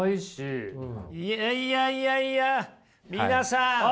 いやいやいやいや皆さん